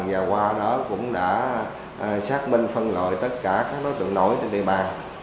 và qua đó cũng đã xác minh phân loại tất cả các đối tượng nổi trên địa bàn